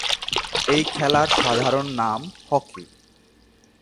এই খেলার সাধারণ নাম হকি।